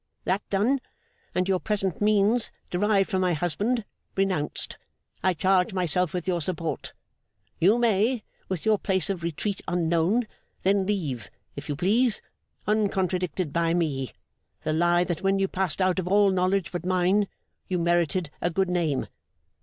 That done, and your present means, derived from my husband, renounced, I charge myself with your support. You may, with your place of retreat unknown, then leave, if you please, uncontradicted by me, the lie that when you passed out of all knowledge but mine, you merited a good name."